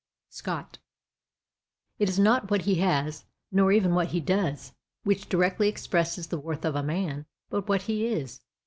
Scott It is not what he has, nor even what he does, which directly expresses the worth of a man, but what he is.